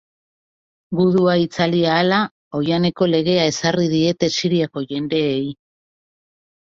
Gudua itzali ahala, oihaneko legea ezarri diete Siriako jendeei.